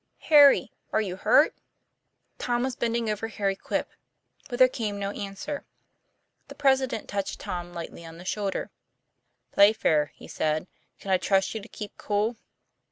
TJ ARRY are you hurt ?" 1 1 Tom was bending over Harry Quip. But there came no answer. The president touched Tom lightly on the shoulder. 'Playfair," he said, "can I trust you to keep cool